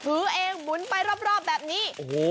ถือเองหมุนไปรอบแบบนี้